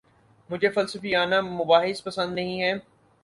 مجھے فلسفیانہ مباحث پسند نہیں ہیں